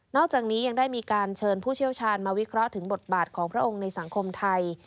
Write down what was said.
อกจากนี้ยังได้มีการเชิญผู้เชี่ยวชาญมาวิเคราะห์ถึงบทบาทของพระองค์ในสังคมไทย